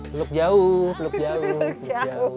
peluk jauh peluk jauh